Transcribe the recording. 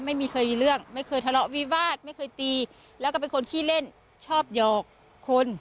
ไม่เคยมีเรื่องไม่เคยทะเลาะวิวาสไม่เคยตีแล้วก็เป็นคนขี้เล่นชอบหยอกคน